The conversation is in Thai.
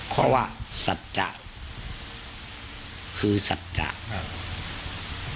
เพราะศักดิ์จักรคือศักดิ์จักร